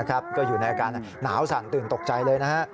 ก็อยู่ในอาการหนาวสั่นตื่นตกใจเลยนะฮะ